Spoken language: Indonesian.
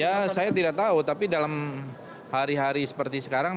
ya saya tidak tahu tapi dalam hari hari seperti sekarang